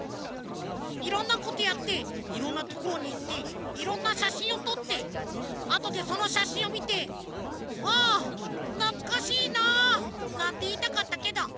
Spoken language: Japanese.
いろんなことやっていろんなところにいっていろんなしゃしんをとってあとでそのしゃしんをみて「ああなつかしいなあ」なんていいたかったけど